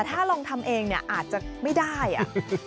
ถ้าลองทำเองเนี่ยอาจจะไม่ได้อ่ะ